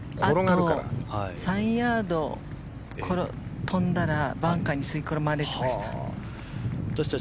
あと３ヤード飛んだらバンカーに吸い込まれてました。